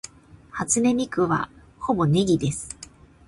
初音ミクはほぼネギです